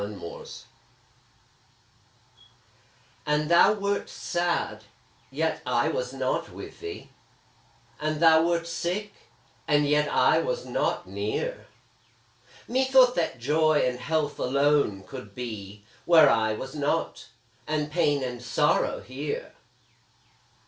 And thou wert sad yet I was not with thee; And thou wert sick, and yet I was not near; Methought that Joy and Health alone could be Where I was not and pain and sorrow here!